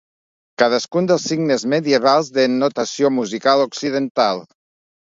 Cadascun dels signes medievals de notació musical occidental.